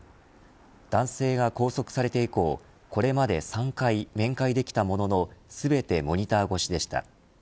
男性が拘束されて以降これまで３回、面会できたものの全てモニター越しでした。